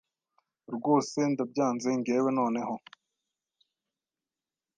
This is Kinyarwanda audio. rwose ndbyanze ngewe noneho